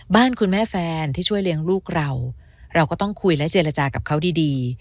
บ้านคุณแม่แฟนที่ช่วยเลี้ยงลูกเราเราก็ต้องคุยและเจรจากับเขาดี